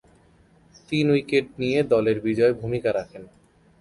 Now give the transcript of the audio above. তিন উইকেট নিয়ে দলের বিজয়ে ভূমিকা রাখেন।